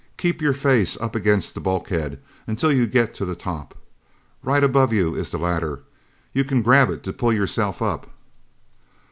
Keep your face up against the bulkhead until you get to the top. Right above you is the ladder. You can grab it to pull yourself up."